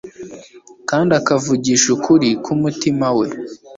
kandi akavugisha ukuri k'umutima we